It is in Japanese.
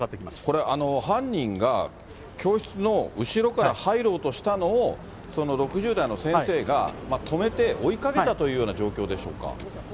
これ、犯人が教室の後ろから入ろうとしたのを、その６０代の先生が止めて、追いかけたというような状況でしょうか。